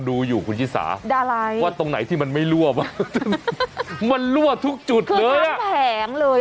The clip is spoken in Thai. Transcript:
ดูอยู่คุณชิสาอะไรว่าตรงไหนที่มันไม่รั่วมันรั่วทุกจุดเลยทั้งแผงเลย